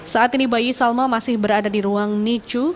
saat ini bayi salma masih berada di ruang nicu